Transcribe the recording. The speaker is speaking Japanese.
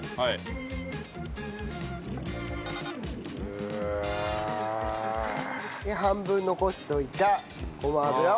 うわ！で半分残しておいたごま油を。